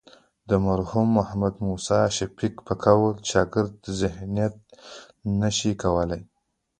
د مرحوم محمد موسی شفیق په قول شاګرد ذهنیت نه شي کولی.